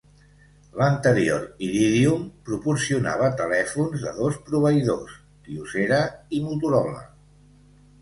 L'anterior Iridium proporcionava telèfons de dos proveïdors, Kyocera i Motorola.